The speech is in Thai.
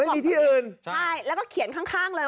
ที่อื่นใช่แล้วก็เขียนข้างเลย